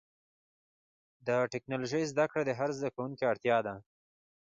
د ټکنالوجۍ زدهکړه د هر زدهکوونکي اړتیا ده.